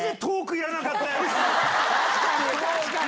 確かに！